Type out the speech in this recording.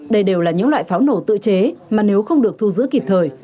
đây đều là những loại pháo nổ tự chế mà nếu không được thu giữ kịp thời